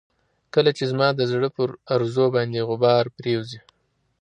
کله چې زما د زړه پر ارزو باندې غبار پرېوځي.